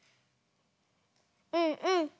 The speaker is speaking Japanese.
うんうん。